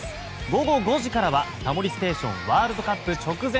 午後５時からは「タモリステーションワールドカップ直前ＳＰ」。